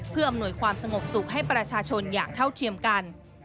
เพื่ออำนวยความสงบสุขให้ประชาชนอย่างเท่าเทียมกัน